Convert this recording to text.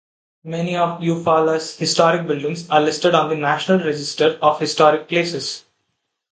Many of Eufaula's historic buildings are listed on the National Register of Historic Places.